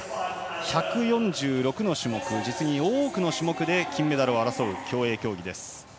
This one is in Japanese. １４６の種目、実に多くの種目で金メダルを争う競泳競技。